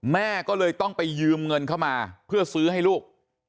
แม่ก็เลยต้องไปยืมเงินเข้ามาเพื่อซื้อให้ลูก